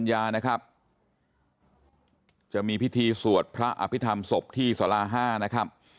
ว่าพิธีสวดพระอภิษภัมศ์สกที่สลาห์๕นะครับ